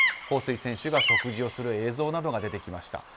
ホウ・スイ選手が食事をする映像などが出てきました。